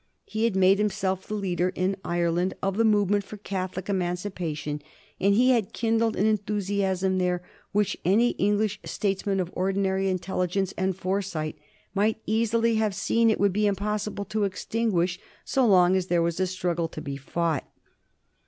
He had made himself the leader in Ireland of the movement for Catholic Emancipation, and he had kindled an enthusiasm there which any English statesman of ordinary intelligence and foresight might easily have seen it would be impossible to extinguish so long as there was a struggle to be fought.